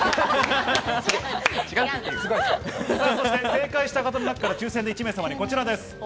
正解した方の中から抽選で１名様にこちらです。